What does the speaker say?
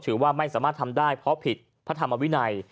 ถือว่าไม่สามารถทำได้เพราะผิดพระธรรมวินัย